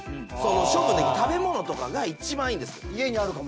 食べ物とかが一番いいんです。